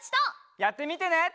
やってみてね。